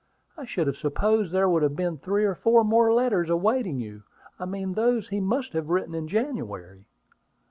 I should have supposed there would have been three or four more letters awaiting you; I mean those he must have written in January."